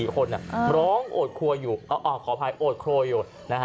๔คนอ่ะร้องโอดครัวอยู่ก็ออกขอภัยโอดครัวอยู่นะฮะ